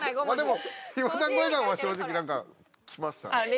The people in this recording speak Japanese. でも岩団子笑顔は正直なんかきました。